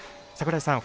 櫻井さん